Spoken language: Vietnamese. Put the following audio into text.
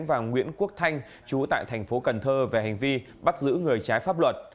và nguyễn quốc thanh chú tại thành phố cần thơ về hành vi bắt giữ người trái pháp luật